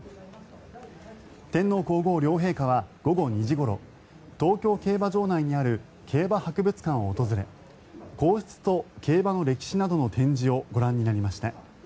天皇・皇后両陛下は午後２時ごろ東京競馬場内にある競馬博物館を訪れ皇室と競馬の歴史などの展示をご覧になりました。